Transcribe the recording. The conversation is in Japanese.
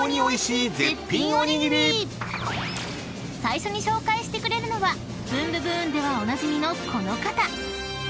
［最初に紹介してくれるのは『ブンブブーン！』ではおなじみのこの方］